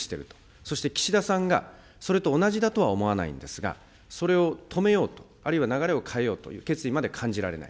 そして岸田さんが、それと同じだとは思わないんですが、それを止めようと、あるいは流れを変えようという決意まで感じられない。